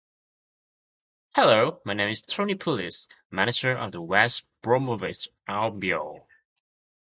Hello my name is Tony Pulis. Manager of the West Bromovich Albiol